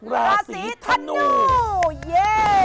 ลาสีธานูเย้